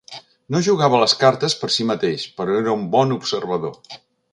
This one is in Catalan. No jugava a les cartes per si mateix, però era un bon observador.